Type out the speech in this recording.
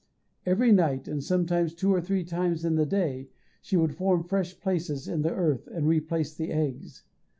Every night, and sometimes two or three times in the day, she would form fresh places in the earth, and replace the eggs.